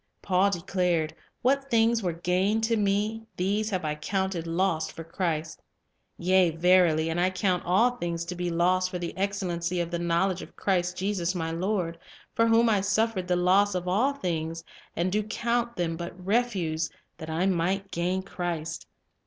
Paul declared: "What things were gain to me, these have I counted loss for satisfied Christ. Yea verily, and I count all things to be loss with Their ... r .. choice for the excellency ol the knowledge ot Christ Jesus my Lord; for whom I suffered the loss of all things, and do count them but refuse that I may gain Christ."